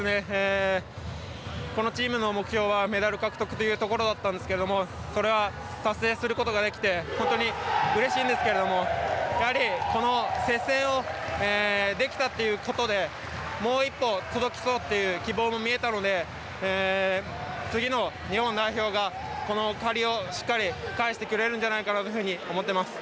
このチームの目標はメダル獲得というところだったんですけどもそれは、達成することができて本当にうれしいんですけれどもやはり、この接戦をできたということでもう一歩届きそうという希望も見えたので次の日本代表が、この借りをしっかり返してくれるんじゃないかなと思ってます。